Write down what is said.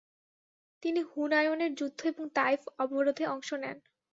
তিনি হুনায়নের যুদ্ধ এবং তাইফ অবরোধে অংশ নেন।